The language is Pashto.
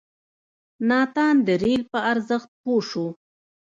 ناتان د رېل په ارزښت پوه شو.